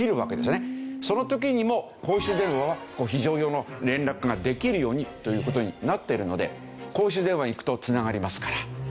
その時にも公衆電話は非常用の連絡ができるようにという事になってるので公衆電話に行くとつながりますから。